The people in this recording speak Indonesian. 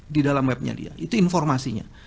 di dalam webnya dia itu informasinya